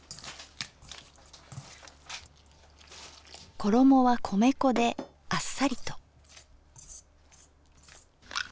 衣は米粉であっさりと。